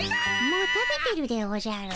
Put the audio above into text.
もう食べてるでおじゃる。